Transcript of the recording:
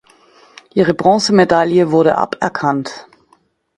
Ihre Bronzemedaille wurde aberkannt.